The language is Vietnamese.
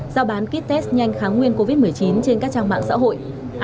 do bán kit test nhanh kháng nguyên covid một mươi chín trên các trang mạng xã hội